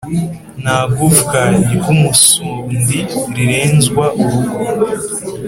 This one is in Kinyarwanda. Nta gufwa ry’umusundi rirenzwa urugo.